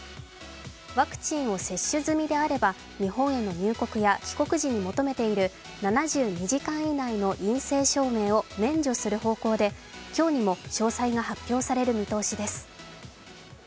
ワクチンを接種済みであれば、日本への入国や帰国時に求めている７２時間以内の陰性証明を免除する方向で今日にも詳細が発表される見通しです。